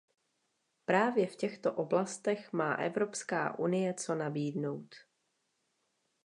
Právě v těchto oblastech má Evropská unie co nabídnout.